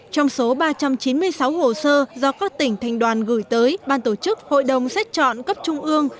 trong số ba trăm chín mươi sáu hồ sơ do các tỉnh thành đoàn gửi tới ban tổ chức hội đồng xét chọn cấp trung ương